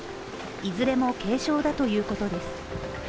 いずれも軽傷だということです。